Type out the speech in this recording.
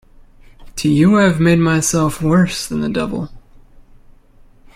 To you I’ve made myself worse than the devil.